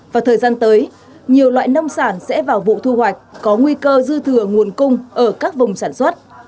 và thời gian tới nhiều loại nông sản sẽ vào vụ thu hoạch có nguy cơ dư thừa nguồn cung ở các vùng sản xuất